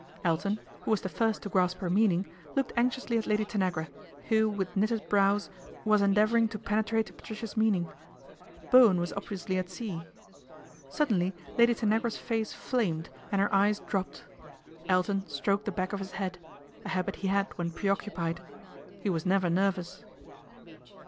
Elton, who was the first to grasp her meaning, looked anxiously at Lady Tanagra, who with knitted brows was endeavouring to penetrate to Patricia's meaning. Bowen was obviously at sea. Suddenly Lady Tanagra's face flamed and her eyes dropped. Elton stroked the back of his head, a habit he had when preoccupied he was never nervous.